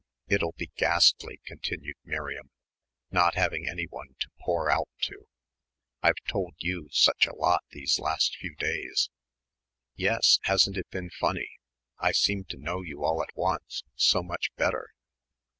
"It'll be ghastly," continued Miriam, "not having anyone to pour out to I've told you such a lot these last few days." "Yes, hasn't it been funny? I seem to know you all at once so much better."